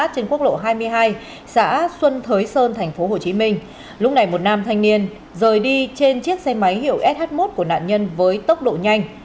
trên quốc lộ hai mươi hai xã xuân thới sơn tp hcm lúc này một nam thanh niên rời đi trên chiếc xe máy hiệu sh một của nạn nhân với tốc độ nhanh